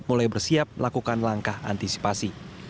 mulai bersiap melakukan langkah antisipasi